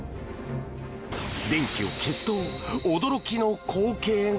電気を消すと驚きの光景が！